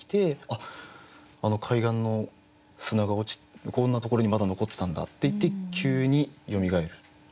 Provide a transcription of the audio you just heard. あの海岸の砂が落ちこんなところにまだ残ってたんだっていって急によみがえる。